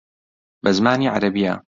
بە زمانی عەرەبییە